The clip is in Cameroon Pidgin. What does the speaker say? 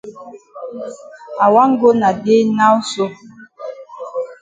I wan go na dey now so.